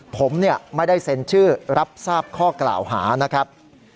ผมไม่ได้เซ็นชื่อรับทราบข้อกล่าวหานะครับ